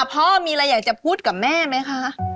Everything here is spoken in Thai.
พ่อมีอะไรอยากจะพูดกับแม่ไหมคะ